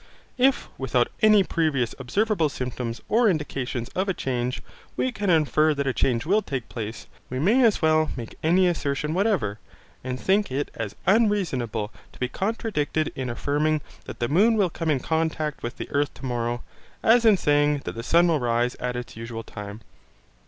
If without any previous observable symptoms or indications of a change, we can infer that a change will take place, we may as well make any assertion whatever and think it as unreasonable to be contradicted in affirming that the moon will come in contact with the earth tomorrow, as in saying that the sun will rise at its usual time.